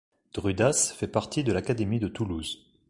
Drudas fait partie de l'académie de Toulouse.